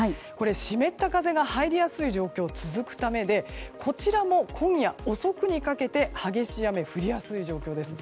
湿った風が入りやすい状況が続くためでこちらも今夜遅くにかけて激しい雨、降りやすい状況です。